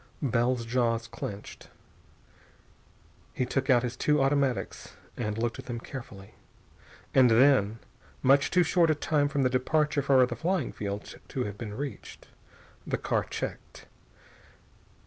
Bell's jaws clenched. He took out his two automatics and looked at them carefully. And then, much too short a time from the departure for the flying field to have been reached, the car checked.